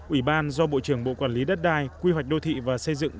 ủy ban do bộ trưởng bộ quản lý đất đai quy hoạch đô thị và xây dựng